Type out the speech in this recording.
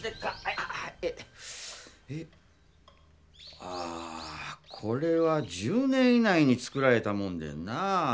ああこれは１０年以内に作られたもんでんなぁ。